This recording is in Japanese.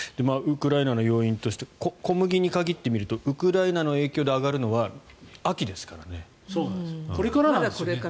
ウクライナの要因として小麦に限って見るとウクライナの影響で上がるのはこれからですよね。